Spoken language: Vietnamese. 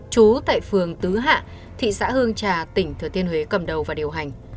trú tại phường tứ hạ thị xã hương trà tỉnh thừa thiên huế cầm đầu và điều hành